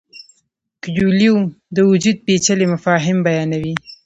کویلیو د وجود پیچلي مفاهیم بیانوي.